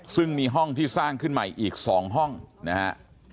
ซึ่งมีห้องที่สร้างขึ้นใหม่อีก๒ห้องนะฮะ